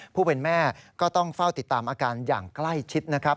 ผู้เป็นแม่ก็ต้องเฝ้าติดตามอาการอย่างใกล้ชิดนะครับ